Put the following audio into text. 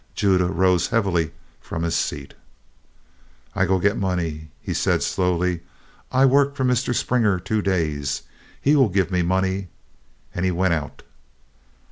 Judah rose heavily from his seat. "I go get money," he said, slowly. "I work for Mr. Springer two days. He will give me money." And he went out.